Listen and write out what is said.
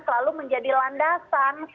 selalu menjadi landasan